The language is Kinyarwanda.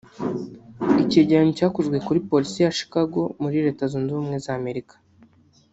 Icyegeranyo cyakozwe kuri polisi ya Chicago muri Leta Zunze Ubumwe za Amerika